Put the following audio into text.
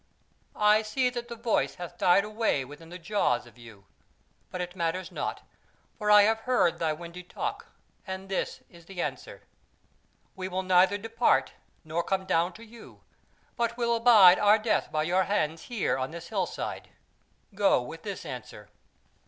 I see that the voice hath died away within the jaws of you; but it matters not, for I have heard thy windy talk, and this is the answer: we will neither depart, nor come down to you, but will abide our death by your hands here on this hill side. Go with this answer."